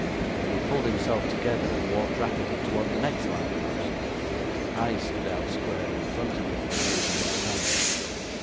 Then he pulled himself together, and walked rapidly towards the next lamp post. I stood out square in front of him, but made no sound.